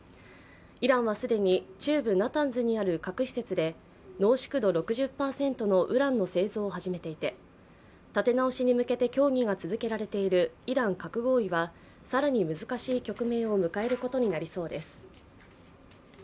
イランは既に中部ナタンズにある核施設で濃縮度６０％のウランの製造を始めていて立て直しに向けて協議が続けられているイラン核合意は更に難しい局面を迎えることになりそうです。